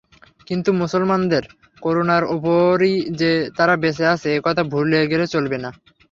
কিন্তু মুসলমানদের করুণার উপরই যে তারা বেঁচে আছে এ কথা ভুলে গেলে চলবে না।